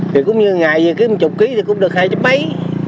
thì cũng như ngày gì kiếm chục kg thì cũng được hai chút mấy